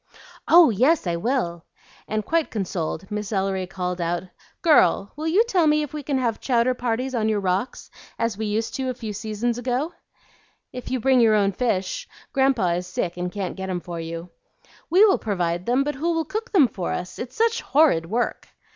"Oh yes, I will!" and, quite consoled, Miss Ellery called out, "Girl, will you tell me if we can have chowder parties on your rocks as we used to a few seasons ago?" "If you bring your own fish. Grandpa is sick and can't get 'em for you." "We will provide them, but who will cook them for us? It's such horrid work."